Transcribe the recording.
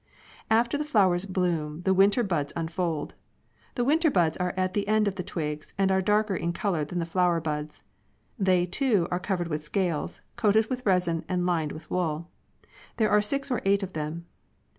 After the flowers bloom the winter buds unfold. The winter buds are at the end of the twigs and are darker in color than the flower buds. They, too, are covered with scales, coated with resin, and Imed with wool. There are six or eight of them.